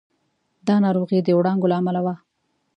دا ناروغي د وړانګو له امله وه.